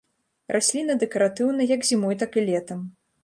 Расліна дэкаратыўна як зімой, так і летам.